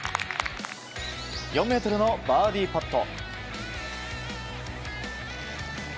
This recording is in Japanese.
４ｍのバーディーパット。